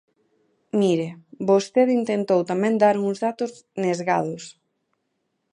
Mire, vostede intentou tamén dar uns datos nesgados.